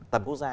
tầm quốc gia